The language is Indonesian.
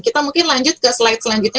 kita mungkin lanjut ke slide selanjutnya